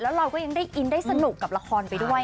แล้วเราก็ยังได้อินได้สนุกกับละครไปด้วย